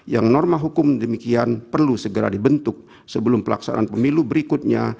yang norma hukum demikian perlu segera dibentuk sebelum pelaksanaan pemilu berikutnya